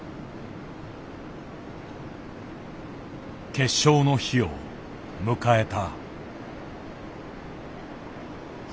決勝の日を迎えた。